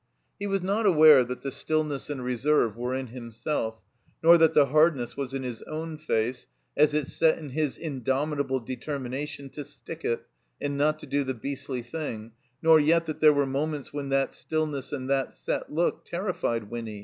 He was not aware that the stillness and reserve were in himself, nor that the hardness was in his own face as it set in his indomitable determination to stick it, and not to do the beastly thing, nor yet that there were moments when that stillness and that set look terrified Winny.